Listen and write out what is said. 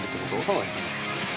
そうですね。